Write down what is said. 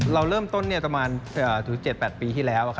เราเริ่มต้นประมาณ๗๘ปีที่แล้ว